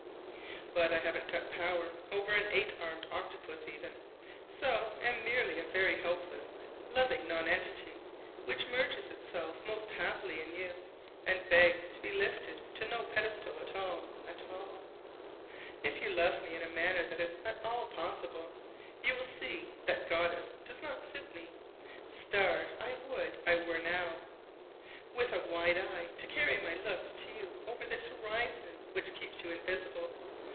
But I haven't got power over an eight armed octopus even: so am merely a very helpless loving nonentity which merges itself most happily in you, and begs to be lifted to no pedestal at all, at all. If you love me in a manner that is at all possible, you will see that "goddess" does not suit me. "Star" I would I were now, with a wide eye to carry my looks to you over this horizon which keeps you invisible.